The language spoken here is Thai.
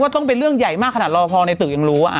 ต้องเป็นเรื่องใหญ่มากขนาดรอพอในตึกยังรู้